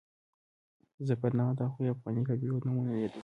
ظفرنامه د هغو افغاني قبیلو نومونه یادوي.